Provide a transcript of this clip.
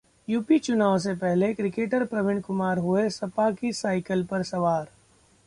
UP चुनाव से पहले क्रिकेटर प्रवीण कुमार हुए सपा की साइकिल पर सवार